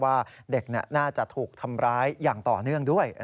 ว่าเด็กน่าจะถูกทำร้ายอย่างต่อเนื่องด้วย